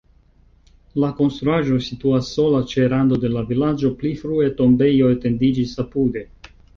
La konstruaĵo situas sola ĉe rando de la vilaĝo, pli frue tombejo etendiĝis apude.